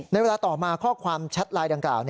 ในเวลาต่อมาข้อความแชทไลน์ดังกล่าว